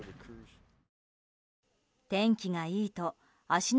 天気がいいと芦ノ